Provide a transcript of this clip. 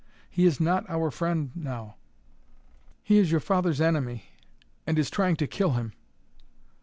He is not our friend now. He is your father's enemy and is trying to kill him."